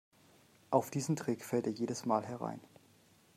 Auf diesen Trick fällt er jedes Mal herein.